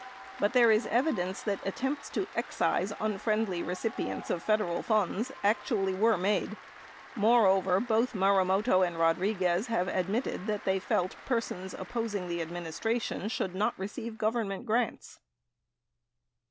But there is evidence that attempts to excise unfriendly recipients of Federal funds actually were made. Moreover, both Marumoto and Rodriguez have admitted that they felt persons opposing the administration should not receive Government grants.